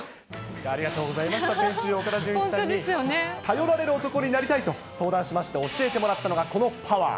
ありがとうございました、先週、岡田准一さんに頼られる男になりたいと相談しまして、教えてもらったのが、このパワー！